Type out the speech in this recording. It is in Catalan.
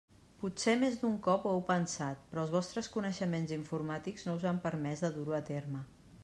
Potser més d'un cop ho heu pensat però els vostres coneixements informàtics no us han permès de dur-ho a terme.